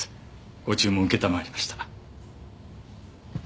ご注文承りました。